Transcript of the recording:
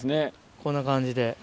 こんな感じで。